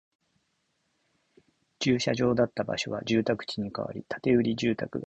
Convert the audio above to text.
駐車場だった場所は住宅地に変わり、建売住宅が並んでいる